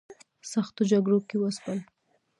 سختو جګړو کې وځپل.